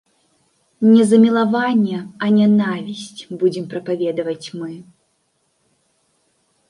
Не замілаванне, а нянавісць будзем прапаведаваць мы.